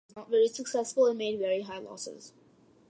It was not very successful and made very high losses.